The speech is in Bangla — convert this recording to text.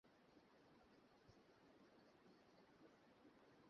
আর সে তোমাকে ভেতর থেকে গ্রাস করে ফেলবে।